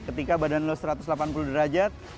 ketika badan lo satu ratus delapan puluh derajat